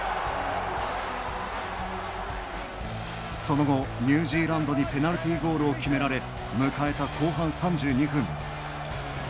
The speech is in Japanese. その後、ニュージーランドにペナルティーゴールを決められ迎えた後半３２分。